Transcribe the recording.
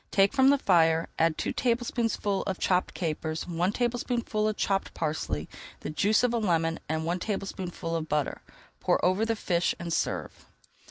Take from the fire, add two tablespoonfuls of chopped capers, one tablespoonful of chopped parsley, the juice of a lemon, and one tablespoonful of butter. Pour over the fish and serve.